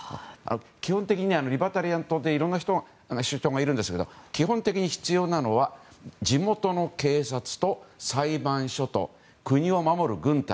基本的にリバタリアン党っていろんな人がいるんですけど基本的に必要なのは地元の警察と裁判所と、国を守る軍隊。